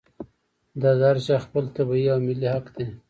دا د هر چا خپل طبعي او ملي حق دی.